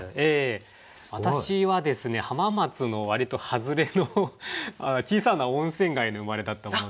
私はですね浜松の割と外れの小さな温泉街の生まれだったものですから。